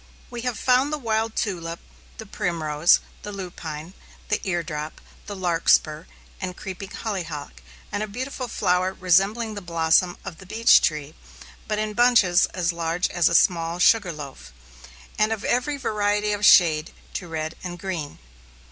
We have found the wild tulip, the primrose, the lupine, the eardrop, the larkspur, and creeping hollyhock, and a beautiful flower resembling the blossom of the beech tree, but in bunches as large as a small sugar loaf, and of every variety of shade, to red and green.